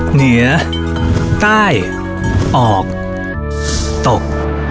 เหนือใต้ออกตก